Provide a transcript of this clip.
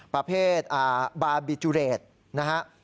ประเภทบาบิจุเรทนะฮะ